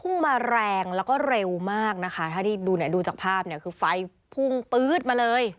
มาแรงแล้วก็เร็วมากนะคะถ้าที่ดูเนี่ยดูจากภาพเนี่ยคือไฟพุ่งปื๊ดมาเลย